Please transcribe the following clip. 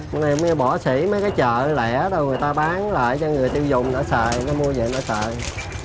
cái này cũng như bỏ xỉ mấy cái chợ lẻ đâu người ta bán lại cho người tiêu dùng nó sợi nó mua về nó sợi